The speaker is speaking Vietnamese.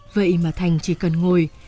vậy mà thành chỉ cần ngồi